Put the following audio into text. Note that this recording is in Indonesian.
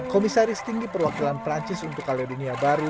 komisaris tinggi perwakilan perancis untuk kaledonia baru